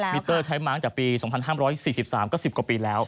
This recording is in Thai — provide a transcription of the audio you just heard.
มิเตอร์ใช้มาตั้งแต่ปี๒๕๔๓ก็๑๐กว่าปีแล้ว